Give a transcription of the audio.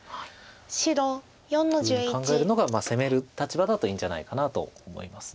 白４の十一。と考えるのが攻める立場だといいんじゃないかなと思います。